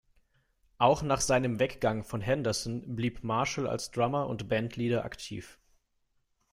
Auch nach seinem Weggang von Henderson blieb Marshall als Drummer und Bandleader aktiv.